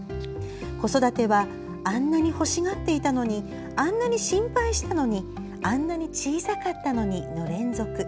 子育てはあんなに欲しがっていたのにあんなに心配したのにあんなに小さかったのにの連続。